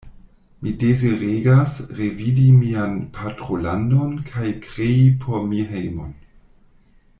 Mi deziregas revidi mian patrolandon kaj krei por mi hejmon.